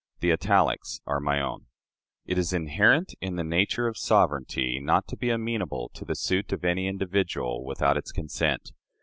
The italics are my own: "It is inherent in the nature of sovereignty not to be amenable to the suit of any individual without its consent.